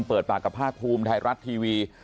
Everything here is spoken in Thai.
เปิดปากกับภาคภูมิไทยรัฐทีวี